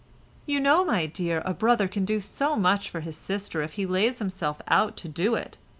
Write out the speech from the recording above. "You know, my dear, a brother can do so much for his sister if he lays himself out to do it.